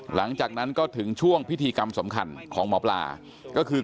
หลังจากนั้นก็ถึงช่วงพิธีกรรมสำคัญของหมอปลาก็คือ